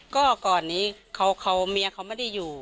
ก็ก่อนนี้เมียเขาไม่ได้อยู่